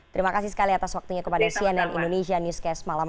terima kasih sekali atas waktunya kepada cnn indonesia newscast malam